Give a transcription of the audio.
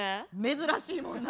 珍しいもんな。